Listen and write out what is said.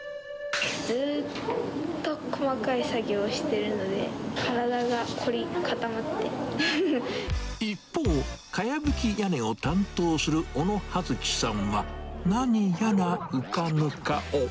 ずーっと細かい作業してるの一方、かやぶき屋根を担当する小野はずきさんは、何やら浮かぬ顔。